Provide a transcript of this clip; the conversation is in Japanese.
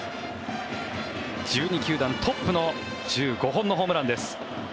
１２球団トップの１５本のホームランです。